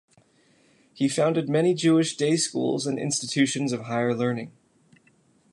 He founded many Jewish day schools and institutions of higher learning.